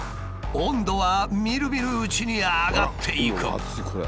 温度はみるみるうちに上がっていく。